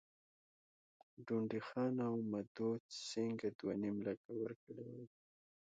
ډونډي خان او مدو سینګه دوه نیم لکه ورکړي وای.